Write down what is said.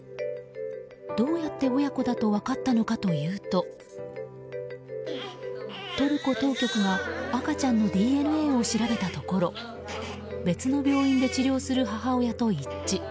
どうやって親子だと分かったのかというとトルコ当局が赤ちゃんのＤＮＡを調べたところ別の病院で治療する母親と一致。